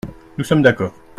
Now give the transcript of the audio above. Nous sommes d’accord.